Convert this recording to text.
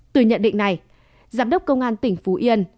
từ nhận định này giám đốc công an tỉnh phú yên